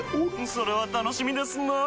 それは楽しみですなぁ。